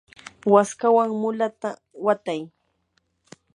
waskawan mulata watay.